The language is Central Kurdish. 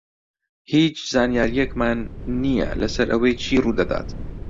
هیچ زانیارییەکمان نییە لەسەر ئەوەی چی ڕوو دەدات.